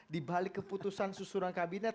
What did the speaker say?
di balik keputusan susunan kabinet